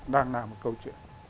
đang làm một câu chuyện